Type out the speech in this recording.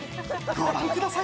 ご覧ください。